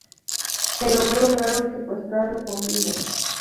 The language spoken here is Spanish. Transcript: Pero no lograron secuestrarlo con vida.